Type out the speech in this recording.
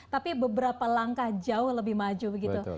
tapi beberapa langkah jauh lebih maju begitu